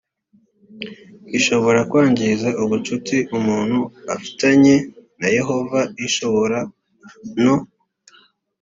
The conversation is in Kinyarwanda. ishobora kwangiza ubucuti umuntu afitanye na yehova ishobora no